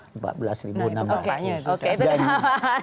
nah itu berpengaruh